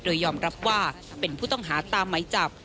โดยยอมรับว่าเป็นผู้ต้องหาตามไหมจับ